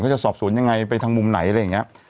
จะสอบสวนยังไงไปทางมุมไหนอะไรอย่างนี้